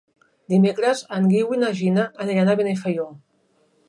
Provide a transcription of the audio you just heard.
Dimecres en Guiu i na Gina aniran a Benifaió.